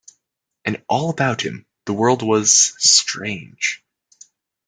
And all about him, the world was — strange.